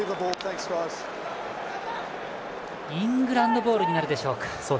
イングランドボールになるでしょうか。